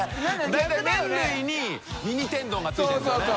大体麺類にミニ天丼が付いてるんですよね。